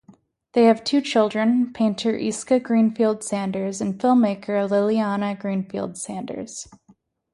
They have two children, painter Isca Greenfield-Sanders and filmmaker, Liliana Greenfield-Sanders.